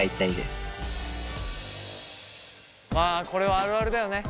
まあこれはあるあるだよね。